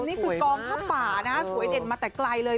นี่คือกองผ้าป่านะสวยเด่นมาแต่ไกลเลย